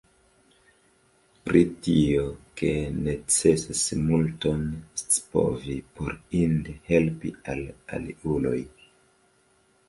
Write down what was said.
Pri tio, ke necesas multon scipovi, por inde helpi al aliuloj.